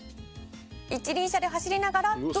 「一輪車で走りながらドリブル！」